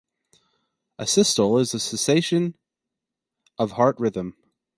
Asystole is the cessation of heart rhythm.